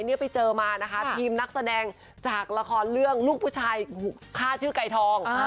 นี่ไปเจอมานะคะทีมนักแสดงจากละครเรื่องลูกผู้ชายฆ่าชื่อไก่ทอง